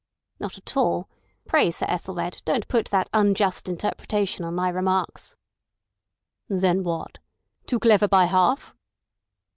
"Not at all. Pray, Sir Ethelred, don't put that unjust interpretation on my remarks." "Then what? Too clever by half?"